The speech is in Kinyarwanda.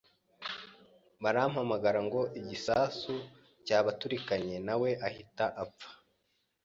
barampamagara ngo igisasu cyabaturikanye nawe ahita apfa,